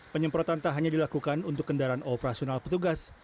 penyemprotan tak hanya dilakukan untuk kendaraan operasional petugas